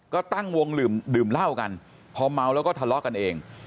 ก็ตั้งวงดื่มเหล้ากันพอเมาแล้วก็ทะเลาะกันเอง